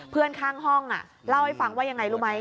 เพื่อนข้างห้องเล่าให้ฟังว่ายังไงรู้ไหม